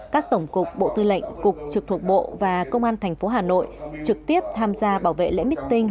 các tổng cục bộ tư lệnh cục trực thuộc bộ và công an thành phố hà nội trực tiếp tham gia bảo vệ lễ mít tinh